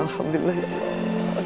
alhamdulillah ya allah